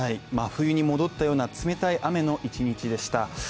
真冬に戻ったような冷たい雨の一日でした。